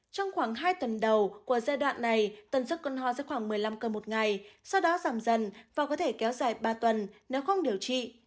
trong khoảng hai tuần đầu của giai đoạn này tần sức cơn ho sẽ khoảng một mươi năm cơn một ngày sau đó giảm dần và có thể kéo dài ba tuần nếu không điều trị